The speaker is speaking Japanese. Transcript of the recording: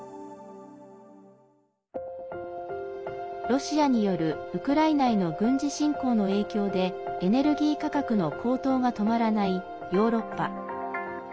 ロシアによるウクライナへの軍事侵攻の影響でエネルギー価格の高騰が止まらないヨーロッパ。